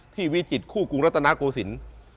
ที่วิจิตรคู่กุรัตนากสิน